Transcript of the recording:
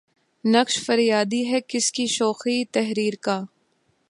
نقش فریادی ہے کس کی شوخیٴ تحریر کا؟